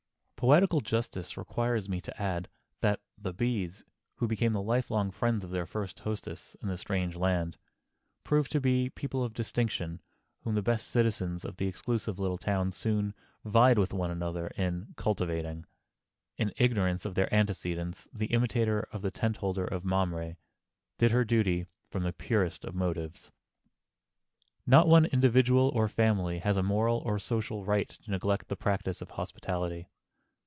Poetical justice requires me to add that the B——'s, who became the lifelong friends of their first hostess in the strange land, proved to be people of distinction whom the best citizens of the exclusive little town soon vied with one another in "cultivating." In ignorance of their antecedents the imitator of the tent holder of Mamre did her duty from the purest of motives. Not one individual or one family has a moral or a social right to neglect the practise of hospitality.